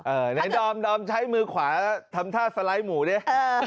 เออในดอมใช้มือขวาทำท่าสไลด์หมูเนี่ย